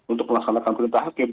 untuk melaksanakan perintah hakim